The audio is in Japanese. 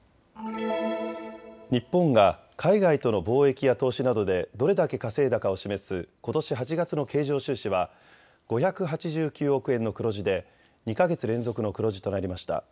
日本が海外との貿易や投資などでどれだけ稼いだかを示すことし８月の経常収支は５８９億円の黒字で２か月連続の黒字となりました。